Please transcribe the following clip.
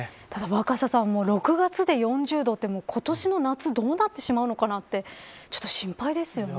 若狭さん、６月で４０度って今年の夏どうなってしまうのかなってちょっと心配ですよね。